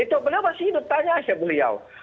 itu beliau masih hidup tanya sama beliau